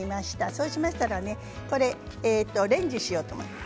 そうしましたらレンジをしようと思います。